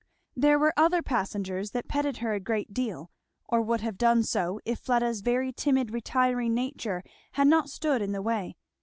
There were other passengers that petted her a great deal, or would have done so, if Fleda's very timid retiring nature had not stood in the way.